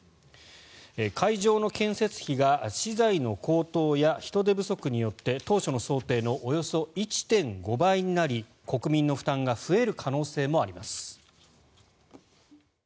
会場の建設費が資材の高騰や人手不足によって当初の想定のおよそ１．５倍になり国民の負担が増える可能性もあります。